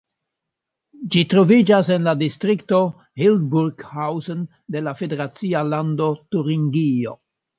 Ĝi troviĝas en la distrikto Hildburghausen de la federacia lando Turingio.